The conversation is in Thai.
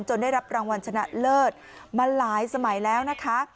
ได้รับรางวัลชนะเลิศมาหลายสมัยแล้วนะคะ